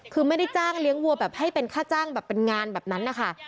คือไม่ได้จ้างเลี้ยงวัวแบบให้เป็นค่าจ้างแบบเป็นงานแบบนั้นนะคะ